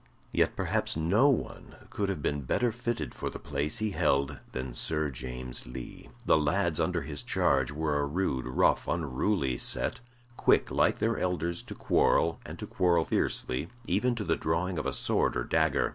Yet Perhaps no one could have been better fitted for the place he held than Sir James Lee. The lads under his charge were a rude, rough, unruly set, quick, like their elders, to quarrel, and to quarrel fiercely, even to the drawing of sword or dagger.